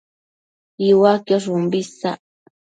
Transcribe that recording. Iuaquiosh umbi isac